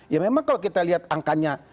ya memang kalau kita lihat angkanya